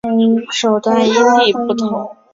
手段因地不同。